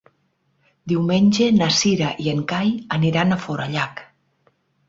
Diumenge na Cira i en Cai aniran a Forallac.